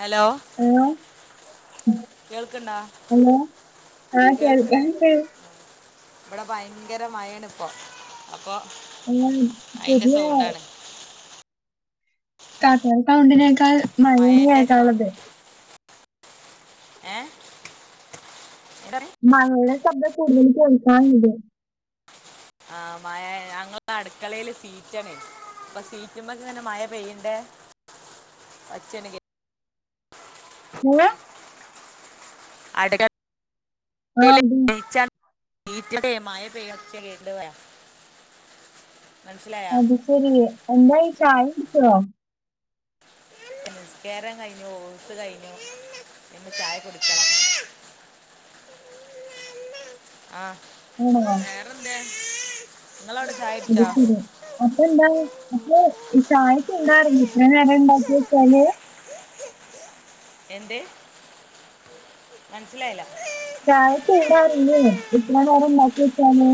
Hello hello കേൾക്ക്‌ണ്ടാ hello ആ കേൾക്ക്‌ ആഹ് കേൾക്കാണ്ട് ഇവടെ ഭയങ്കര മഴയാണ് ഇപ്പൊ അപ്പോ അതിന്റെ സൗണ്ടാണ് [unintelligible] മയേന്റ സൗ കേൾക്കാനുള്ളത് ഏഹ് എന്താർഞ്ഞ്? [unintelligible] ശബ്ദം കൂടുതല് കേൾക്കാൻണ്ട് ആഹ് മയാ ഞങ്ങൾടെ അടുക്കളെല് സീറ്റാണേ. അപ്പൊ സീറ്റ്മ്ക്കെ ഇങ്ങനെ മയ പെയ്യ്ണ്ടേ ഒച്ചയണ് കേ [unintelligible] അട്ക്ക ആഹ് [unintelligible] [inaudible] വീട്ടിലൊക്കെ മയ പെയ്യണ ഒച്ച കേക്ക്ണ്ട് പറയാ മൻസ്സിലായാ? ശരിയെ എന്തായി ചായ കുടിച്ചോ? ഉം നിസ്ക്യാരം കഴിഞ്ഞു, ഓത്ത് കഴിഞ്ഞു, ഇനി ചായ കുടിക്കണം. ആഹ് ആണോ വേറന്തെ നിങ്ങളവിട ചായ അത് കുടിച്ചോ? ശരി അപ്പൊ എന്താ അപ്പൊ ചായ ചൂടാറൂലെ ഇത്ര നേരം ഇണ്ടാക്കിയച്ചാല്? എന്തെ മൻസിലായില്ല? ചായ ചൂടാറൂല്ലേ ഇത്ര നേരം ഇണ്ടാക്കി വെച്ചാല്?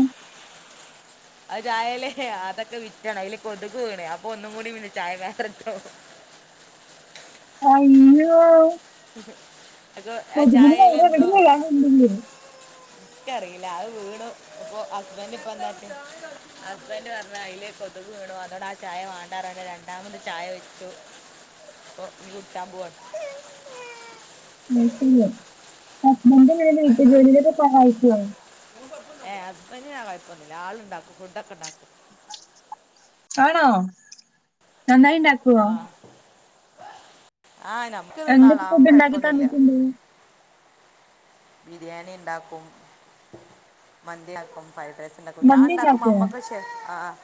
അത് ചായെല്ലേ അതൊക്കെ വിറ്റാണ്, അയില് കൊതുക് വീണെ, അപ്പൊ ഒന്നും കൂടി [unintelligible] ചായ വേറെ ട്ടോ. അയ്യോ [unintelligible] ആഹ് കൊതുകിന് വേറെ എവിടെ ചായെലെന്തോ വീഴാനുണ്ടെങ്കിൽ ക്കറീല്ല അത് വീണു ഇപ്പൊ ഹസ്ബൻഡ് ഇപ്പന്താട്ടി ഹസ്ബൻഡ് പർഞ്ഞ് അയില് കൊത് തിക് വീണു അതോണ്ടാ ചായ വാണ്ടാറാണ്ട് രണ്ടാമത് ചായ വെച്ചു ഇപ്പോ ടി കുട്ച്ചാമ്പൊവാണ് ഉം ഉം ഹസ്ബന്റെങ്ങനെ വീട്ട്ജോലീലോക്കെ സഹായിക്ക്വോ ഏഹ് ഹസ്ബന്റിനാ കൊയ്പ്പൊന്നൂല ആളിണ്ടാക്കും ഫുഡ്ഡൊക്കെണ്ടാക്കും ആണോ നന്നായിണ്ടാ ആഹ് ആഹ് നംക്ക് എന്തൊക്കെ നിന്നാളാം ഫുഡ് ഉണ്ടാക്കി കൊയ്പ്പൊന്നുല്ല തന്നിട്ടുണ്ട് ബിരിയാണിണ്ടാക്കും മന്തിയാക്കും ഫൈഡ്രൈസിണ്ടാക്കും മന്തി ഞാണ്ടാക്കുമ്പോ ഉണ്ടാക്കുവോ അമ്മക്കൊരു ആഹ് ആഹ്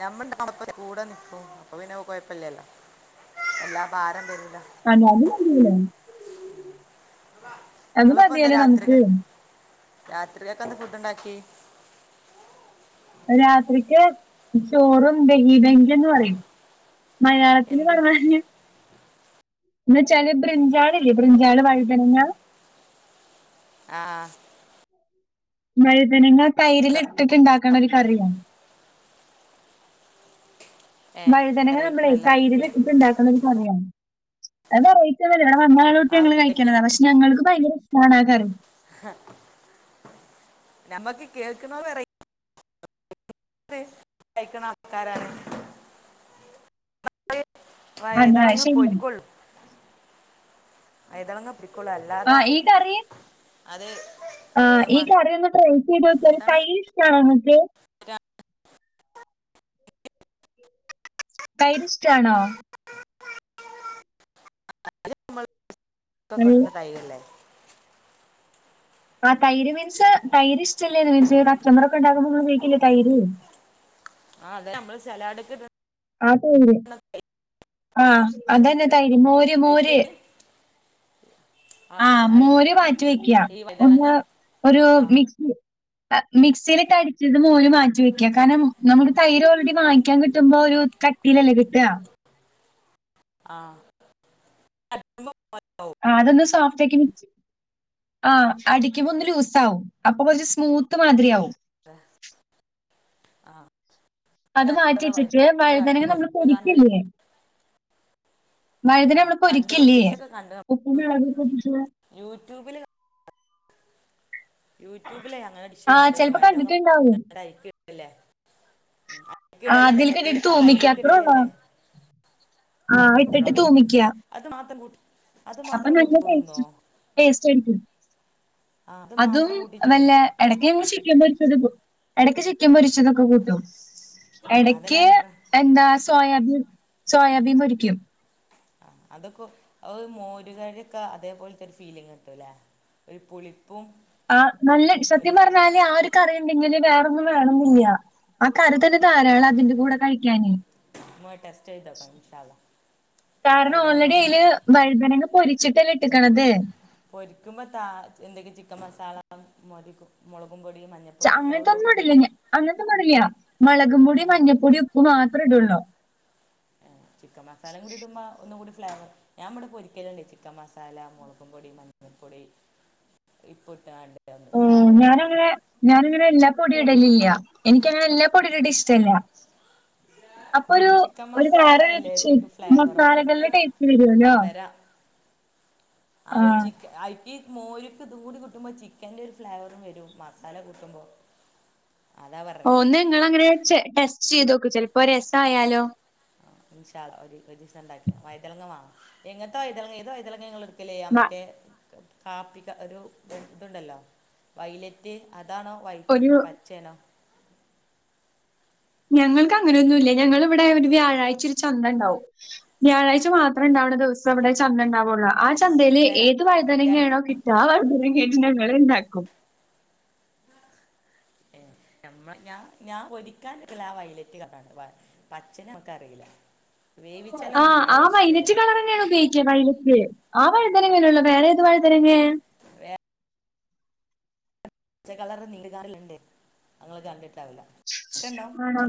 നമ്മള്ണ്ടാക്കു മ്പ കൂടെ നിക്കും അപ്പൊ പിന്നെ കൊയ്പ്പല്ല്യല്ലോ എല്ലാ ഭാരം വരൂല അതായത് അത് ഇങ്ങളിപ്പെന്താ മതിയല്ലോ നമുക്ക് രാത്രിക്ക്‌ രാത്രിലേക്കെന്താ ഫുഡ്ഡ് ഇണ്ടാക്ക്യേ രാത്രിക്ക് ചോറും ബെഹിബെഞ്ചന്ന് പറെം മലയാളത്തില് എന്ത് പറഞ്ഞാല് ന്നു വെച്ചാല് ബൃഞ്ചാള് ഇല്ലേ ബൃഞ്ചാള് വഴ്തൻങ്ങ ആഹ് വഴ്തനങ്ങ തൈരിൽ ഇട്ടിട്ട് ഇണ്ടാക്കിണെ ഒരു കറിയാ ഏ വഴ്തനങ്ങ വെറൈറ്റി നംളെ ആണല്ലോ തൈരില് ഇട്ടിണ്ടാക്ക്ണെ ഒരു കറിയാണ് അത് [unintelligible] വ്ടെ വന്നാളൊട്ട് ആ ഞങ്ങള് വെറൈറ്റി കഴിക്ക്ണതാ പഷ് ഞങ്ങൾക്ക് ഭയ്ങ്കര ഇഷ്ടാണ് ആഹ് കറി ഞമ്മക്ക് കേക്കുന്നെ വെറൈ [unintelligible] കഴിക്കണെ ആൾക്കാരാണ് [unintelligible] അതാ വയ്തളങ്ങ ശരിയാണ് പൊരികൊൾ വയ്തളങ്ങ പൊ പോൾ അല്ലാതാ ആഹ് ഈ കറിയൊന്ന് ട്രൈ ചെയ്തോക്ക് എന്താണ് തൈര് ഇഷ്ട്ടാണോ ഇങ്ങക്ക് തൈരിഷ്ട്ടാണോ അത് ഇമ്മള് [unintelligible] നല്ല ഇട്ണെ തൈരല്ലേ ആഹ് തൈര് മീൻസ് തൈര് ഇഷ്ടല്ലേന്ന് മീൻസ് കച്ചമ്പറൊക്കെ ഇണ്ടാക്കുമ്പോ ഇങ്ള് ഉപയ്ക്കല്ലേ തൈര് ആഹ് അതെന്നെ അമ്മള് സെലാടിക്കിട് ആഹ് തൈര് ആഹ് അതെന്നെ തൈര് മോര് അയ്ക്ക് മോര് ആ ആഹ് അയ്ക്ക് മോര് മാറ്റി വെക്ക്യാ ഈ വൈതളങ്ങ ഒന്ന് ഒരു ആ മിക്സി മിക്സീലിട്ടടിച്ചട്ട് മോര് മാറ്റി വെക്ക്യ കാര്ണം നംള് തൈര് ഓൾഡി വാങ്ങ്ക്കാൻ കിട്ടുമ്പോ ഒരു കട്ടീലല്ലേ കിട്ടാ ആഹ് ആഹ് അതൊന്ന് സോഫ്റ്റാക്കി മിക് ആഹ് അടിക്കുമ്പൊ ഒന്ന് ലൂസാവും അപ്പൊ കൊർച്ച് സ്മൂത്ത് മാതിരിയാവും അത് മാറ്റ്യെച്ചിട്ട് വഴ്തനങ്ങ നമ്മള് പൊടിക്കില്ല്യേ ആഹ് കണ്ടക്ക്ണ് പൊരിക്കില്ലേ ഡിഷൊക്കെ കണ്ട് ഉപ്പും മുളകും ഒക്കെ ഇട്ടിട്ട് യൂട്യൂബില്. യൂട്യൂബിലെ അങ്ങനെ ഡിഷ് ആ കണ്ടീണു ചിലപ്പോ വയ്തനങ്ങ കണ്ടിട്ടുണ്ടാവും [unintelligible] അയ്ക്കി ല്ലേ അക്ക് ഇടലല്ലേ അതിലേക്ക് ന്നിട്ട് ഇട്ടിട്ട് ആഹ് തൂമിക്ക അത്രേ ഉള്ളൂ. തൈരിക്കിടലല്ലേ ആ ഇട്ടിട്ട് തൂമിക്ക്യ അത് മാത്രം കൂട്ടി അത് മാത്രം കൂട്ടി ചോറുന്നോ ടേസ്റ്റ് ടേസ്റ്റ് ആയിര്ക്കും ആ അത് അതും മാത്രം കൂട്ടി ചോറ് വെല്ലെ എടക്ക് ഞങ്ങള് ചിക്കൻ പൊര്ച്ചത് ഇടും എടയ്ക്ക് ചിക്കൻ പൊരിച്ചതൊക്കെ കൂട്ടും അതല്ലേ എടക്ക് ഞാൻ പറഞ്ഞെ എന്താ സോയാബീൻ സോയാബീൻ പൊരിക്കും അഹ് അതൊക്കെ ഓഹ് മോരുകറ്യൊക്കെ അതേപോൽത്തെ ഒരു ഫീലിങ്ങിട്ടും ല്ലേ ഒരു പുളിപ്പും ആ നല്ലെ സത്യം ഒരു പറഞ്ഞാല് ആ ഒരു കറിയിണ്ടെങ്കില് വേറൊന്നും വേണെംന്നില്ല ആ കറി തന്നെ ധാരാള അതിന്റെ കൂടെ കഴിക്കാനെ [unintelligible] ഇമ്മാ ടെസ്റ്റ് ചെയ്തോക്കണം ഇൻഷാ അള്ളാ കാരണം വൈതലങ്ങ ഓൾറെഡി കൊ അതില് [unintelligible] വഴുതനങ്ങ പൊരിച്ചിട്ടല്ലെ ഇട്ടക്ക്ണത് പൊരിക്കുമ്പോ ത എന്തെങ്കും ചിക്കൻ മസാല മൊ [unintelligible] മൊളകും പൊടിയും മഞ്ഞ ച അങ്ങൻത്തൊന്നും ഇടില്ല. ഞാൻ അങ്ങൻത്തൊന്നും ഇടില്ലാ മൊളകും പൊടി ഏ മഞ്ഞപ്പൊടി ഉപ്പ് മാത്ര ഇടൊള്ളൂ. ചിക്കൻ മസാല കൂടി ഇടുമ്പാ ഒന്നും കൂടി ഫ്ലേവറ് ഞാൻ ഇബെടെ പൊരിക്കല്ണ്ട്. ചിക്കൻ മസാല, മൊളകും പൊടി, മഞ്ഞൾപ്പൊടി, ഇപ്പ് ഇട്ടാണ്ട്. ഉം ഫ്ലേവർ ഞാനു ഉണ്ടാവും അങ്ങനെ ഞാൻ അങ്ങനെ എല്ലാ പൊടി ഇടലില്ല. എനിക്കങ്ങനെ എല്ലാ പൊടിയുടെ [unintelligible] ഇഷ്ട്ടല്ല [inaudible] അപ്പ ഒരു എനിക്ക് ചിക്കൻ ഒരു മസാല വേറൊര് ച്ച് എല്ലാത്തിക്കും ഫ്ലേവർ വേണം മസാലകള്ടെ ടേസ്റ്റ് ആ വരൊല്ലോ. വരാം ആ ഒരുച്ചീ അയ്ക്കി മോര്ക്ക് തുടി കൂട്ടുമ്പോ ചിക്കന്റെ ഒരു ഫ്ലേവറും വെരും മസാല കൂട്ടുമ്പോ അതാ പറഞ്ഞേ ഓ ഇന്ന ഇങ്ങള് അങ്ങനെ ടെസ്റ്റ് ചെയ്തോക്ക് ചെൽപ്പോ ഒരു എ സായാലോ ആ ഇൻഷാ അള്ളാ ഒര് ഒരിസ ഇണ്ടാക്ക [unintelligible] വൈതലളങ്ങ വാങ്ങാം എങ്ങൻത്തെ വൈത ഏത് വൈതളങ്ങെ ഇങ്ങള്ട് ക്കല് ആഹ് മ മറ്റെ കാപ്പിക്ക ഒരു ഇതുണ്ടൊല്ലൊ വൈലറ്റ് അതാണോ ഒരു വൈറ്റ് പാ ചേനൊ ഞങ്ങൾക്ക് അങ്ങനെയൊന്നും ഇല്ല ഞങ്ങള് ഇവിടെ ഒരു വ്യാഴാഴ് ഒരു ചന്ത ഇണ്ടാവും വ്യാഴാഴ്ച മാത്രം ഇണ്ടാവ്ണ ദിവ സ് ആ അവിടെ ചന്തണ്ടാവൊള്ളു. ആ ചന്തയില് അല്ല ഏത് വൈതനങ്ങ്യേണോ കിട്ടആ വൈഴുനങ്ങ് എജിന ഇവള് എന്ത് ആക്കും ഏ ഞമ്മ ഞ ഞാ ഒരിക്കാൻ ഒള്ള ഒക്കെ എല്ലാം ആ വൈലറ്റ് കളറ് ആണ് വാ പച്ചനെ നമക്ക റീല്ല ആ ആ വയ്ലറ്റ് കളറെന്നേണ് ഉപയോഗിക്ക്യ വയലറ്റ് ആ വഴുതനങ്ങ നൊള്ളു ആ വേറെ ഏത് വഴു ഒറങ്ങേ ച്ചകളറ് നീലുകാറില്ണ്ട്. അത് ഇങ്ങള് കണ്ടിട്ട് ആവുല. ആണോ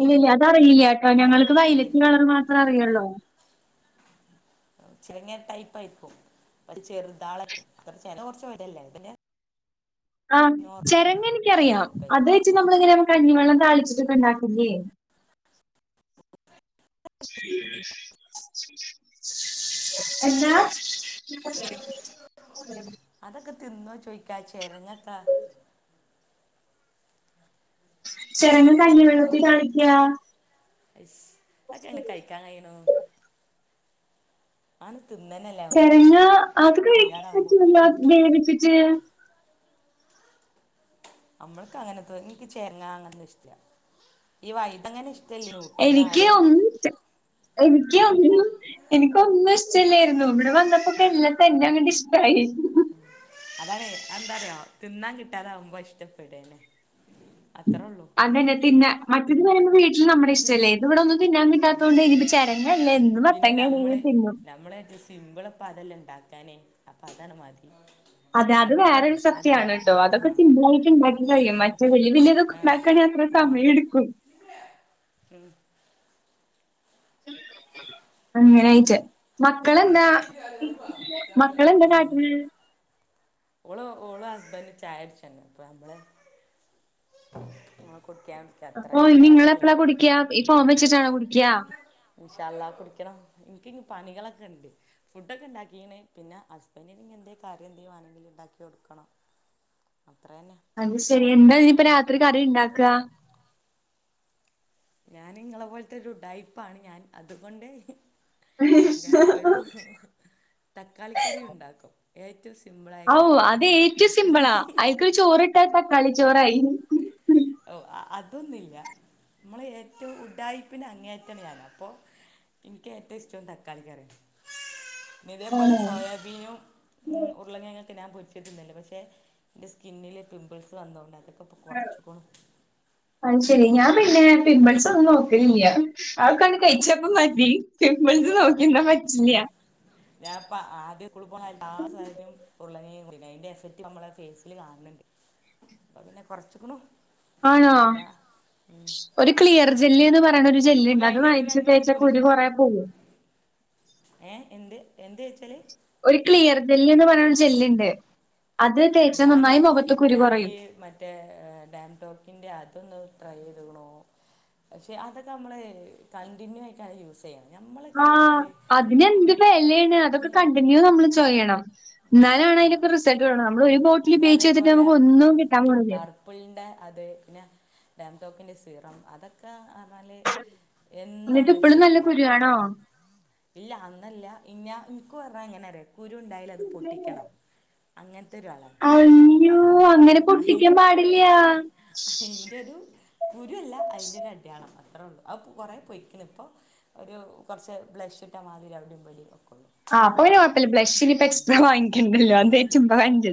ഇല്യല്ല അതറിയില്ല കെട്ടോ ഞങ്ങൾക്ക് വയ്ലറ്റ് അതിരിക്കും കളർ മാത്രം അറിയൊള്ളോ ഉം ചെങ്ങേ ടൈപ്പ് ആയിരിക്കും. പക്ഷ് ചെറുതാളക്കും അ ചേന കൊറച്ച് വടല്ലേ ഇതെന്നെ ആ ചെരങ്ങ എനിക്കറിയാം. അത് വലുപ്പമായിക്കാണ് വെച്ച് നമ്മള് ഇങ്ങനെയാ കഞ്ഞിവെള്ളം താളിച്ചിട്ട് ഒക്കെ ഇണ്ടാക്കി ല്യെ എന്നാ അതൊക്കെ തിന്നോ ചോയ്ക്കാ ചേരങ്ങക്കാ ചെരങ്ങ കഞ്ഞി വെളത്തി താളിക്കാ അശ് അത് എങ്ങനെ കഴിക്കാൻ കഴിണു ആണ് തിന്നെനല്ലേ ചെരങ്ങ അത് കഴിക്കാൻ പറ്റുലല്ലോ അത് വേവിച്ചിട്ട് അമ്മള്ക്ക് അങ്ങനെ തോ ഇൻക്ക് ചെർങ്ങാ അങ്ങനെ ഇഷ്ടല്യ. ഈ വൈുതങ്ങനെ ഇഷ്ട എനിക്ക് ഒന്നും ഛേ എനിക്ക് പോ ഒന്നും എനിക്കൊന്നും ഇഷ്ട ഇല്ലേര്ന്നു. ഇവടെ വന്നപ്പോ ഒക്കെ എല്ലാ തന്നെ അങ്ങോട്ട് ഇഷ്ടായി. ഉം അതാണ് അ എന്താ റ്യാെ തിന്നാൻ കിട്ടാതകുമ്പോ ഇഷ്ടപ്പെടന്നെ. അത്ര ഒള്ളൂ അതന്നെ തീന്ന മറ്റേത് എന്ന് പറയുപ്പോ വീ ഈ നമ്മടെ ഇഷ്ടല്ലേ ഇത് ഇവടെ ഒന്നും തിന്നാൻ കിട്ടാത്ത കൊണ്ട് ഇനിപ്പ ചെരങ്ങെല്ലേ എന്ത് പിന്നെ മത്തങ്ങ നമ്മളെ ഏണേലും തിന്നും നമ്മളെ എദ്ദേശി ഉം ഇമ്പളെ ഇപ്പ അത് അല്ലേ ഇണ്ടാക്കാനേ അപ്പ അതാണ് മതി അതെ അത് അത്ര വേറൊരു സത്യാണ് അതാണ് ട്ടൊ ആ അതൊക്കെ ചിന്തായിട്ട് ഇണ്ടാക്കി കഴിയും മറ്റേ വെല്യ വെല്യതൊക്കെ ഇണ്ടാക്കാണ അത്ര സമയ ഇടുക്കും. ഉം അങ്ങനെ ആയിച്ച് മക്കളെന്താ ഈ മക്കളെന്താ ആ കാട്ടണേ ഓള് ഓള് ഹസ്ബൻഡ് ചായടിച്ചങ് അപ്പ നമ്മള് മ്മെ കുട്ടിക്കാൻ അപ്പൊ ഇനി നിങ്ങള് എപ്പഴാ കുടിക്ക്യ ഈ ഫോം വെച്ചിട്ടാണോ കുടിക്ക്യാ ഇൻഷാ അള്ളാ കുടിക്കണം എനിക്ക ഇങ് പണികള് ഒക്കെ എണ്ട് ഫുഡ് ഒക്കെ ഉണ്ടാക്കീണ് പിന്നെ ഹസ്ബൻഡിന് ഇനി എന്തേ കറി എന്തേ എന്തെങ്കിലും വാങ്ങി ഉണ്ടാക്കി കൊടുക്കണം അത്ര അന്നെ അത് ശരി എന്താ ഇനി ഇപ്പ രാത്രി കറി ഇണ്ടാക്കുക ഞാൻ ഇങ്ങളെ പോലത്തെ ഒരു ഉടായിപ്പാണ് ഞാൻ അതു കൊണ്ട് ഞാൻ ഒരു തക്കാളിക്കറി ഉണ്ടാക്കും ഏറ്റവും സിമ്പിൾ ആ ആഓ അത് ഏറ്റവും സിമ്പിളാ അയിക്ക് ഒരു ചോറിട്ടാ തക്കാളി ചോറായി ഓഹ് അതൊന്നുല്ല നമ്മൾ ഏറ്റവും ഉഡായിപ്പിന്റെ അങ്ങേയറ്റാണ് ഞാൻ അപ്പോ എനിക്ക് ഏറ്റവും ഇഷ്ടം തക്കാളിക്കറി ഇതേപോലെ ആണോ? സോയാബീനും ഉം ഉരുളക്കിഴങ്ങ് ഒക്കെ ഞാൻ പൊരിച്ചാ തിന്നല് പക്ഷേ എൻ്റെ സ്കിന്നില് പിമ്പിൾസ് വന്നതുകൊണ്ട് അത് ഇപ്പോ കുറച്ച് കുറച്ച് അത്ശെരി ഞാൻ പിന്നെ പിമ്പിൾസ് ഒന്നും നോക്കലില്ല്യ ആഹ് കണ്ട് കഴിച്ച ഒക്കെ മതി പമ്പിൾസ് നോക്കിന്നാ പ ഞാൻപ്പ ആദ്യക്കുളു പോണ എല്ലാ സാരിയും അതിന്റെ എഫക്റ്റ് നമ്മളെ ഫേസില് കാണണ്ണ്ട് അപ്പ പിന്നെ കുറച്ചക്കണു ആണോ ഒരു ക്ലിയർ ജെല്ല് ന്ന് പറയണ ഒരു ഇപ്പം ജെല്ലുണ്ട് അത് കഴിഞ്ഞു ഒരു വാങ്ങിച്ച് രണ്ട് മിനിറ്റ് തേച്ചാ കൂടി കുരു കുറേ പോവും ഏഹ് എന്ത് എന്ത് തേച്ചാല് ഒരു ക്ലിയർ ജെല്ല് ന്ന് പറയണ ഒരു ജെല്ലുണ്ട് അത് തേച്ച ഞാന് നന്നായി മുഖത്ത് കുരു ഞാന് കുറയും മറ്റേ ടേംഡോക്കിന്റെ അതൊന്ന് ട്രൈ ചെയ്തക്കണു പക്ഷെ അതൊക്കെ നമ്മള് കണ്ടിന്യൂ ആയിട്ടാണ് യൂസ് ഞമ്മള് ആഹ് അതിനെന്ത് വെലയാണ് അതൊക്കെ കണ്ടിന്യൂ നമ്മള് ചൊയ്യണം എന്നാലാണ് ആ അതിന്റെ ഒക്കെ റിസൾട്ട് വരണ നമ്മള് ആ ഒരു ബോട്ടിൽ പിന്നെ ഉപയോഗിച്ച് ചെയ്തിട്ട് നമുക്ക് ഒന്നും കിട്ടാൻ പോണില്ല കപ്പിളിൻ്റെ അത് പിന്നെ ടേം ഡോക്കിന്റെ സിറം അതൊക്കെ പറഞ്ഞാല് എന്ന് നമ്മൾ ചെയ്യണം ആണോ ഇല്ല അന്നല്ല ഇന്ന ഇനിക്കു പറഞ്ഞാ എങ്ങനാ അറിയോ കുരു ഉണ്ടായാൽ അത് പൊട്ടിക്കണം അങ്ങനത്തെ ഒരാളാണ് അയ്യോ അപ്പം അ അങ്ങനെ അ പൊട്ടിക്കാൻ പാടില്ല. കുരു അല്ല അതിൻ്റെ ഒരു അടയാളം അത്രേ ഉള്ളൂ അ കുറേ പൊയ്ക്കണ് ഇപ്പോൾ ഒരു കുറച്ച് ബ്ലഷ് ഇട്ട മാതിരി അവിടെയും ഇവിടേം ഒക്കള്ളൂ ആഹ് അപ്പോ പിന്നെ കുഴപ്പില്ല ബ്ലഷ് ഇനിപ്പോ എക്സ്ട്രാ വാങ്ങിക്കണ്ടല്ലോ അത് [unintelligible]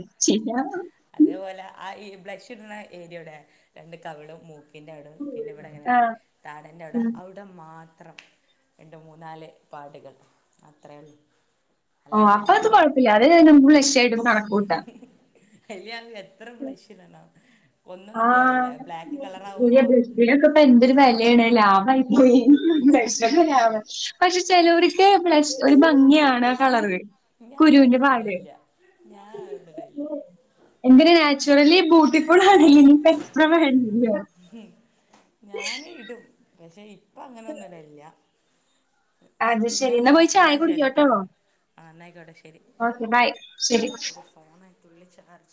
അതേപോലെ ആഹ് ഈ ബ്ലഷ് ഇടുന്ന ഏരിയയുടെ രണ്ട് കവിളും മൂക്ക പിന്നെ അവിടെ പിന്നെ ഇവിടെ അങ്ങനല്ലേ താടൻ്റെ അവിടെ ഉം അവിടെ മാത്രം രണ്ടു മൂന്നാല് പാടുകൾ അത്രേ ഒള്ളു ഓഹ് അപ്പൊ അത് കുഴപ്പില്ല അത് നമ്മക്ക് ബ്ലഷ് ആയിട്ട് കണക്ക് കൂട്ടാം [unintelligible] എത്ര ബ്ലഷ് ഇടണം ഒന്നൊന്നും ആഹ് പോരല്ല ബ്ലാക്ക് ശരിയാ കളറാവുമ്പോ ബ്ലഷിന് ഒക്കെ ഇപ്പൊ എന്തൊരു വിലയാണ് ലാഭായി [unintelligible] പക്ഷെ ചെലവരിക്ക് ബ്ലഷ് ഒരു ഭംഗിയാണ് ആ കളറ് ഞാൻ കുരുവിന്റെ അതൊന്നും പാട്. ഇടല്ല്യ ഞാൻ അതൊന്നും ഇടല്ല്യ എന്തിന് നാച്ചുറലി ബൂട്ടിഫുൾ ആണല്ലി ഇനിപ്പോ എക്സ്ട്രാ വേണ്ട ഹും ഞാന് ഇടും പക്ഷെ ഇപ്പം അങ്ങനൊന്നും ഇടലില്ല അത് ശെരി എന്നാ പോയിച്ച ചായ കുടിക്കു കേട്ടോ ആഹ് എന്നായിക്കോട്ടെ ശരി ഓക്കെ ബൈ. ശരി. എന്റെ ഫോണേ തുള്ളി ചാർജ്